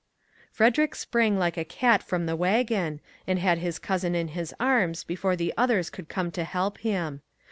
Frederick sprang like a cat from the wagon, and had his cousin in his arms before the others could come to help him.